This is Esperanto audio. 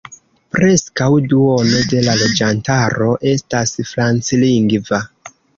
Preskaŭ duono de la loĝantaro estas franclingva.